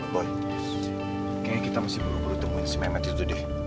boy kayaknya kita mesti buru buru temuin si mehmet itu deh